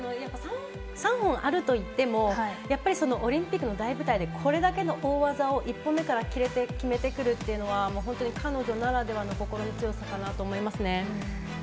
３本あるといってもオリンピックの大舞台でこれだけの大技を１本目から決めてくるというのは本当に彼女ならではの心の強さかなと思います。